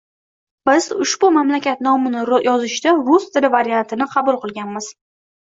Biz ushbu mamlakat nomini yozishda rus tili variantini qabul qilganmiz.